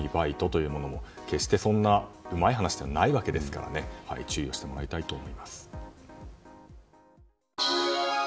万引きは窃盗罪であるし闇バイトというものも決してうまい話ではないわけですから注意をしてもらいたいと思います。